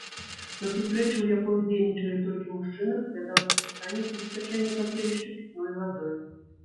На сустрэчы, у якой удзельнічалі толькі мужчыны, разглядалася пытанне забеспячэння паселішча пітной вадой.